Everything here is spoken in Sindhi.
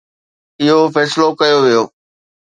اهو فيصلو ڪيو ويو